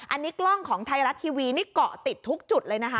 อันนี้กล้องของไทยรัฐทีวีนี่เกาะติดทุกจุดเลยนะคะ